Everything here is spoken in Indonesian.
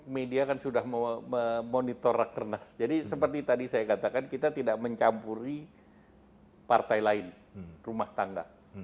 media kan sudah memonitor rakernas jadi seperti tadi saya katakan kita tidak mencampuri partai lain rumah tangga